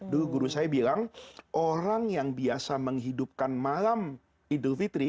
dulu guru saya bilang orang yang biasa menghidupkan malam idul fitri